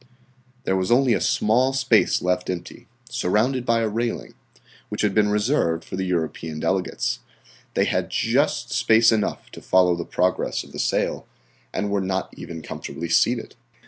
There was only a small space left empty, surrounded by a railing, which had been reserved for the European delegates. They had just space enough to follow the progress of the sale, and were not even comfortably seated.